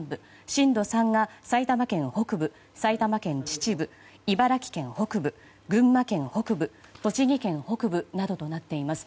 震度３が埼玉県北部、埼玉県秩父茨城県北部、群馬県北部栃木県北部などとなっています。